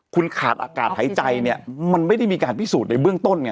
คุณขาดอากาศหายใจเนี่ยมันไม่ได้มีการพิสูจน์ในเบื้องต้นไง